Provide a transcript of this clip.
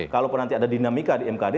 kalaupun nanti ada dinamika di mkd